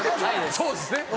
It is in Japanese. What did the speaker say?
そうですね。